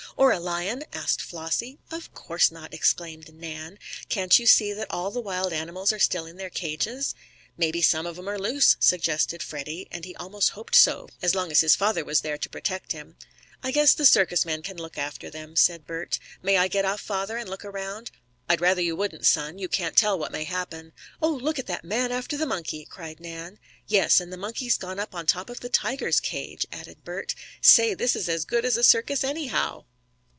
"Or a lion?" asked Flossie. "Of course not!" exclaimed Nan. "Can't you see that all the wild animals are still in their cages?" "Maybe some of 'em are loose," suggested Freddie, and he almost hoped so, as long as his father was there to protect him. "I guess the circus men can look after them," said Bert. "May I get off, father, and look around?" "I'd rather you wouldn't, son. You can't tell what may happen." "Oh, look at that man after the monkey!" cried Nan. "Yes, and the monkey's gone up on top of the tiger's cage," added Bert. "Say, this is as good as a circus, anyhow!"